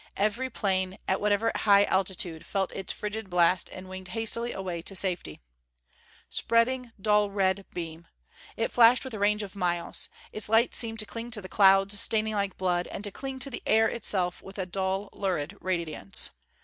Every plane, at whatever high altitude, felt its frigid blast and winged hastily away to safety. Spreading, dull red beam! It flashed with a range of miles. Its light seemed to cling to the clouds, staining like blood; and to cling to the air itself with a dull lurid radiance.